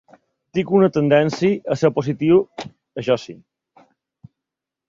Tinc una tendència a ser positiu, això sí.